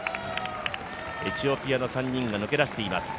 エチオピアの３人が抜け出しています。